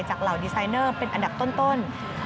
เหล่าดีไซเนอร์เป็นอันดับต้น